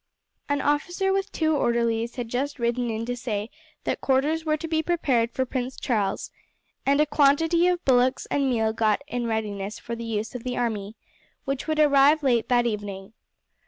An officer with two orderlies had just ridden in to say that quarters were to be prepared for Prince Charles, and a quantity of bullocks and meal got in readiness for the use of the army, which would arrive late that evening.